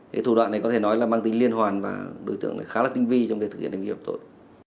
cái thủ đoạn này có thể nói là mang tính liên hoàn và đối tượng khá là tinh vi trong việc thực hiện hành vi phạm tội